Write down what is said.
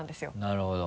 なるほど。